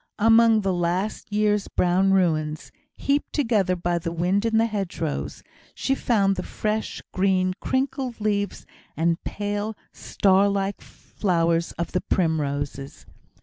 Among the last year's brown ruins, heaped together by the wind in the hedgerows, she found the fresh green crinkled leaves and pale star like flowers of the primroses.